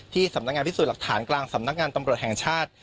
สำนักงานพิสูจน์หลักฐานกลางสำนักงานตำรวจแห่งชาติ